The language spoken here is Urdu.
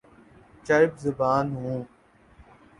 چرب زبان ہوں